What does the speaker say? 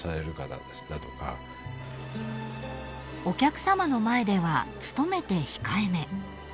［お客さまの前では努めて控えめ］